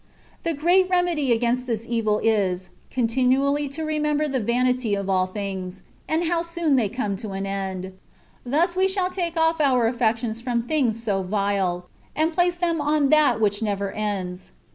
The great remedy against this evil is, continu ally to remember the vanity of all things, and how soon they come to an end. Thus we shall take off our affections from things so vile, and place them on that which never ends.